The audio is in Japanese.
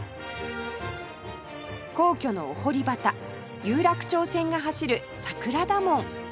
皇居のお堀端有楽町線が走る桜田門